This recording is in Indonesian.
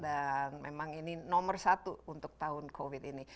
dan memang ini nomor satu untuk tahun covid ini